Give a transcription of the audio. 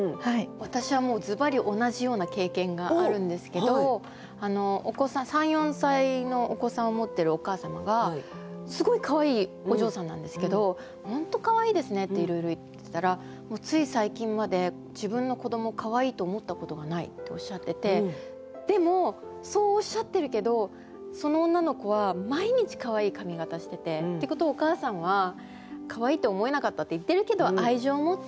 私はもうズバリ同じような経験があるんですけど３４歳のお子さんを持ってるお母様がすごいかわいいお嬢さんなんですけど「本当かわいいですね」っていろいろ言ってたら「つい最近まで自分の子どもをかわいいと思ったことがない」っておっしゃっててでもそうおっしゃってるけどその女の子は毎日かわいい髪形しててってことはお母さんはかわいいって思えなかったって言ってるけど愛情持って。